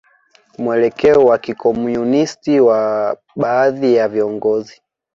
Mwelekeo wa kikomunisti wa baadhi ya viongozi